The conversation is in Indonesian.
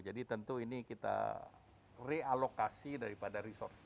jadi tentu ini kita realokasi daripada resources